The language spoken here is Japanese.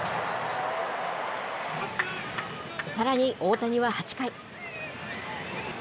さらに大谷は８回。